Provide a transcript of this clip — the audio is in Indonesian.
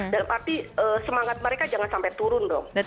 dalam arti semangat mereka jangan sampai turun dong